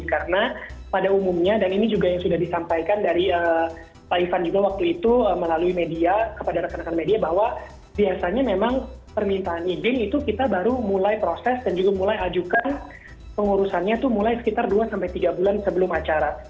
karena pada umumnya dan ini juga yang sudah disampaikan dari pak ivan juga waktu itu melalui media kepada rekan rekan media bahwa biasanya memang permintaan izin itu kita baru mulai proses dan juga mulai ajukan pengurusannya itu mulai sekitar dua tiga bulan sebelum acara